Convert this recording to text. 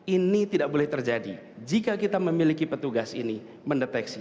ini tidak boleh terjadi jika kita memiliki petugas ini mendeteksi